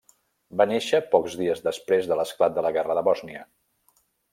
Va néixer pocs dies després de l'esclat de la Guerra de Bòsnia.